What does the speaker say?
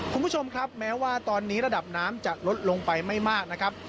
คุณผู้ชมครับแม้ว่าตอนนี้ระดับน้ำจะลดลงไปไม่มากนะครับ